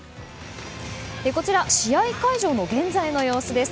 こちら、試合会場の現在の様子です。